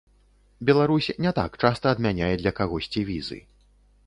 Беларусь не так часта адмяняе для кагосьці візы.